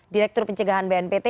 direktur pencegahan bnpt